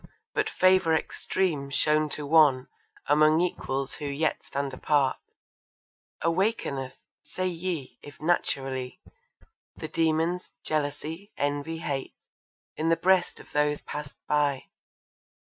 but favour extreme shown to one Among equals who yet stand apart, Awakeneth, say ye, if naturally, The demons jealousy, envy, hate, In the breast of those passed by.